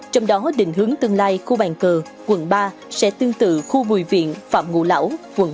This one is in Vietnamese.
trong đó định hướng tương lai khu bàn cờ sẽ tương tự khu bùi viện phạm ngũ lão